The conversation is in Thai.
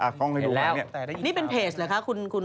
อ่ะกล้องให้ดูมาเนี่ยเห็นแล้วนี่เป็นเพจเหรอคะคุณ